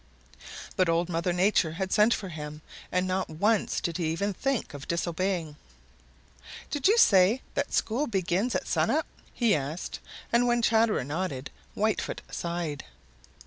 But Old Mother Nature had sent for him and not once did he even think of disobeying. "Did you say that school begins at sun up?" he asked, and when Chatterer nodded Whitefoot sighed.